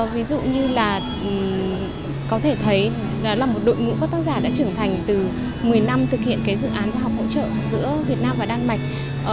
ví dụ như là có thể thấy là một đội ngũ các tác giả đã trưởng thành từ một mươi năm thực hiện cái dự án khoa học hỗ trợ giữa việt nam và đan mạch